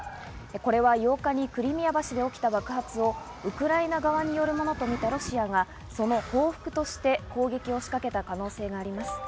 これは８日にクリミア橋で起きた爆発をウクライナ側によるものと見たロシアがその報復として攻撃を仕掛けた可能性があります。